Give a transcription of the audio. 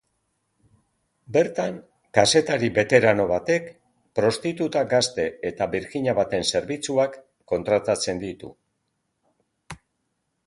Bertan, kazetari beterano batek prostituta gazte eta birjina baten zerbitzuak kontratatzen ditu.